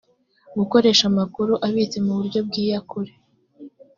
gukoresha amakuru abitse mu buryo bw’iyakure